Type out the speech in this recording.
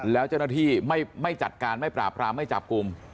แล้วเจ้าหน้าที่ไม่จัดการไม่ปราบรามไม่จับกลุ่ม